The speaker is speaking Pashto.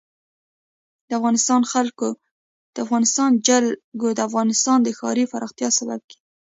د افغانستان جلکو د افغانستان د ښاري پراختیا سبب کېږي.